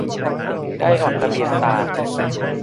ได้ออกระเบียบต่าง